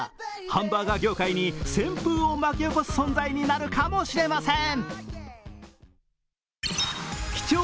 ハンバーガー業界に旋風を巻き起こす存在になるかもしれません。